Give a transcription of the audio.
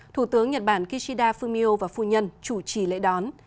thủ tướng nhật bản kishida fumio và phu nhân chủ trì lễ đón